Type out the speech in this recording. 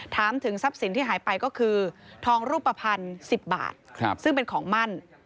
ถามถึงทรัพย์สินที่หายไปก็คือทองรูปภัณฑ์๑๐บาทซึ่งเป็นของมั่น